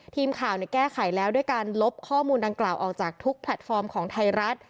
ทีมข่าวแก้ไขแล้วด้วยการลบข้อมูลดังกล่าวออกจากทุกแพลตฟอร์มของไทยรัฐ